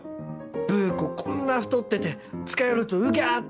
ブー子こんな太ってて近寄るとウギャって。